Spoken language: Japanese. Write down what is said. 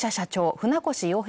船越洋平